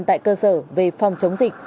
tại cơ sở về phòng chống dịch